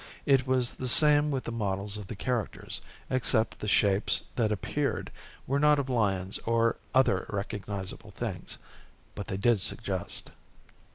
It was the same with the models of the characters, except the shapes that appeared were not of lions or other recognizable things. But they did suggest."